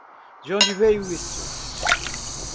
De onde veio isso?